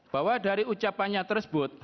bahwa dari ucapannya tersebut